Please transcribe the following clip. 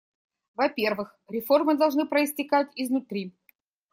Во-первых, реформы должны проистекать изнутри.